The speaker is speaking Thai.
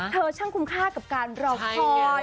ช่างคุ้มค่ากับการรอคอย